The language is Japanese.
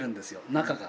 中が。